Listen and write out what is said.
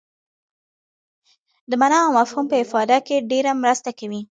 د معنا او مفهوم په افاده کې ډېره مرسته کوي.